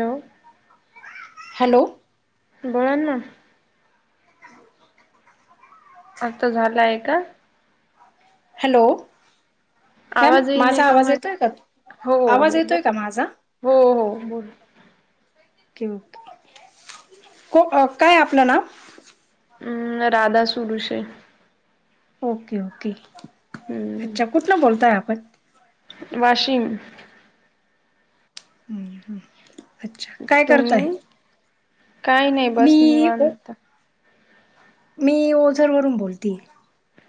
Hello. Hello. बोलान ना. असतां झालंय का. हॅलो मॅम आवाज येई नाही माझा का आवाज येतोय का. हो हो आवाज हो येतोय का माझा हो हो बोल. ओके ओके काय आपलं नाव. हम् राधा सुरुशे. ओके ओके अच्छा कुठ ना बोलता आहे आपण. वाशिंग. हम् ह् अच्छा काय करताय. काही नाही बस नि मी वाण. ओ मी ओझरवरून बोलते.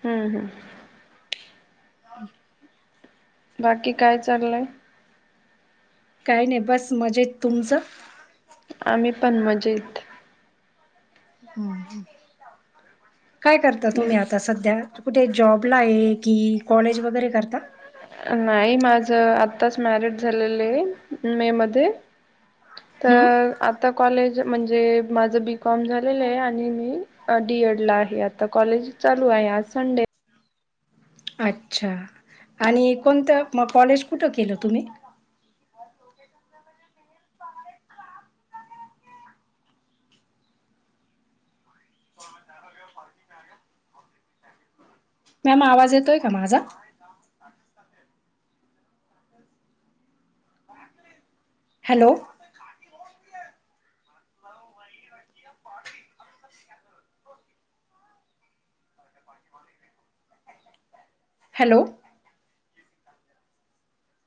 हम्म हम्. [unintelligible] बाकी काय चाललंय? काही नाही बस मजेत, तुमचं? आम्ही पण मजेत. काय करता तुम्ही आता सध्या? कुठे जॉबला आहे कि कॉलेज वगैरे करता. नाही माझ आत्ताच मॅरिड झालेलं आहे मे मध्ये. हम्म. तर. आता कॉलेज म्हणजे माझं बी कॉम झालेलं आहे आणि मी डी एडला आहे आता कॉलेज चालू आहे आज संडे. अच्छा आणि कोणतं मग कॉलेज कुठं केलं तुम्ही? मॅम आवाज येतोय का माझा? हॅलो. हॅलो.